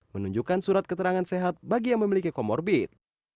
menunjukkan surat keterangan sehat bagi yang memiliki comorbid